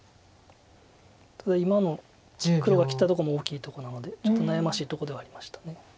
ただ今の黒が切ったとこも大きいとこなのでちょっと悩ましいとこではありました。